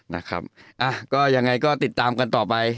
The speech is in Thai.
นะครับอ่ะก็ยังไงก็ติดตามกันต่อไป